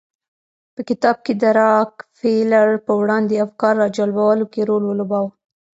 په کتاب کې د راکفیلر پر وړاندې افکار راجلبولو کې رول ولوباوه.